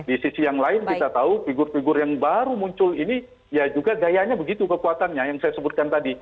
di sisi yang lain kita tahu figur figur yang baru muncul ini ya juga gayanya begitu kekuatannya yang saya sebutkan tadi